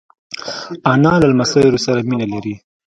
انا له لمسیو سره مینه لري